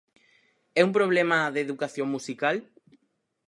É un problema de educación musical?